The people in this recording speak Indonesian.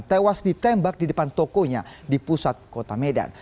tewas ditembak di depan tokonya di pusat kota medan